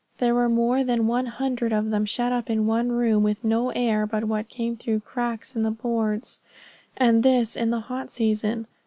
There were more than one hundred of them shut up in one room, with no air but what came through cracks in the boards, and this in the hot season.